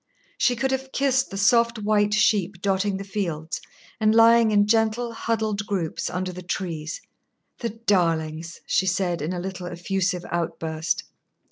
She could have kissed the soft white sheep dotting the fields and lying in gentle, huddled groups under the trees. "The darlings!" she said, in a little, effusive outburst.